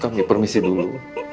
kami permisi dulu